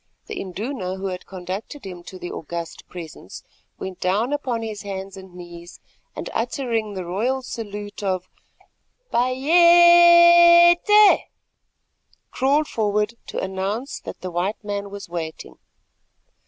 The Induna who had conducted him to the august presence went down upon his hands and knees, and, uttering the royal salute of Bayéte, crawled forward to announce that the white man was waiting.